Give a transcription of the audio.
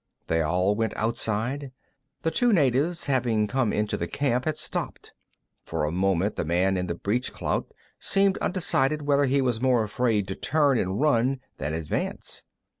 They all went outside. The two natives, having come into the camp, had stopped. For a moment, the man in the breechclout seemed undecided whether he was more afraid to turn and run than advance.